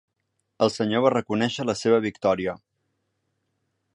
El senyor va reconèixer la seva victòria.